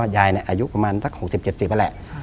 ยายอายุประมาณสัก๖๐๗๐แล้วแหละ